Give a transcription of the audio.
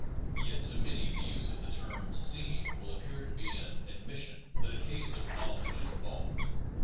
Yet to many the use of the term "seen" will appear to be an admission that a case of knowledge is involved.